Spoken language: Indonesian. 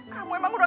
kamu emang udah